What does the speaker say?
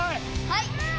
はい！